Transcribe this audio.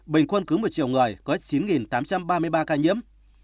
bình quân cứ một triệu người có chín tám trăm ba mươi ba ca nhiễm